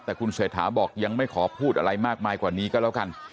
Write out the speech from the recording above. แต่คุณเศรษฐาบอกยังไม่ขอพูดอะไรมากมายกว่านี้ก็แล้วกัน